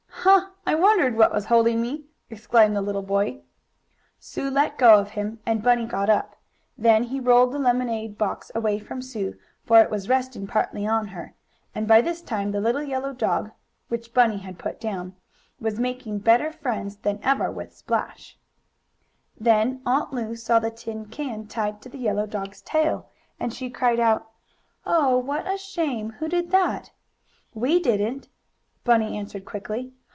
"Huh! I wondered what was holding me." exclaimed the little boy. Sue let go of him, and Bunny got up. Then he rolled the lemonade box away from Sue, for it was resting partly on her, and by this time the little yellow dog (which Bunny had put down) was making better friends than ever with Splash. [Illustration: "GET UNDER THE BOX, SUE!" HE CRIED.] Then Aunt Lu saw the tin can tied to the yellow dog's tail, and she cried out: "Oh, what a shame! Who did that?" "We didn't!" Bunny answered quickly.